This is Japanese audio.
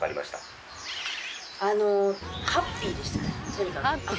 とにかく。